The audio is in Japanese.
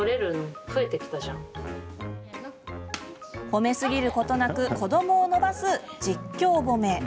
褒めすぎることなく子どもを伸ばす実況褒め。